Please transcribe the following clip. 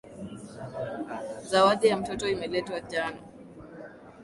Zawadi ya mtoto imeletwa jana.